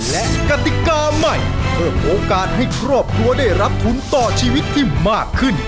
และกติกาใหม่เพิ่มโอกาสให้ครอบครัวได้รับทุนต่อชีวิตที่มากขึ้น